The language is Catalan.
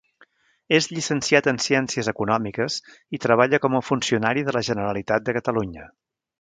És llicenciat en Ciències Econòmiques i treballa com a funcionari de la Generalitat de Catalunya.